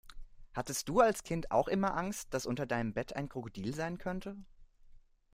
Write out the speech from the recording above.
Hattest du als Kind auch immer Angst, dass unter deinem Bett ein Krokodil sein könnte?